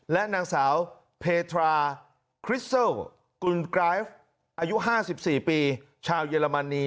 และนางสาวเพทราคริสเซิลกุลไกรฟอายุห้าสิบสี่ปีชาวเยอรมนี